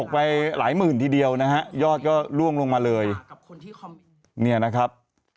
ไปหลายหมื่นทีเดียวนะยอดก็ล่วงลงมาเลยเนี่ยนะครับ